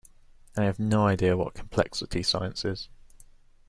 I have no idea what complexity science is.